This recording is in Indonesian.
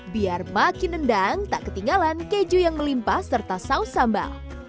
biar makin nendang tak ketinggalan keju yang melimpa serta saus sambal